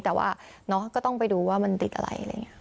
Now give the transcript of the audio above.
แต่ว่าก็ต้องไปดูว่ามันติดอะไรอะไรอย่างนี้